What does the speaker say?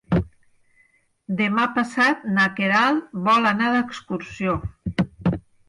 Demà passat na Queralt vol anar d'excursió.